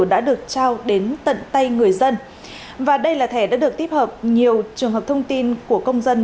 đã được trao đến tận tay người dân và đây là thẻ đã được tích hợp nhiều trường hợp thông tin của công dân